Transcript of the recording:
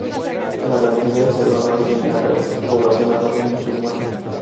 La Galilea es el hogar de una gran población árabe musulmana.